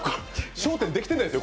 「笑点」できてないですよ。